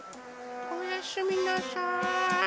おやすみなさい。